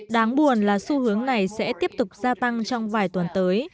đáng buồn là xu hướng này sẽ tiếp tục gia tăng trong vài tuần tới